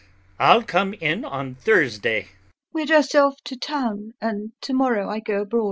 I'll come in on Thursday. LUBOV. We're just off to town, and to morrow I go abroad.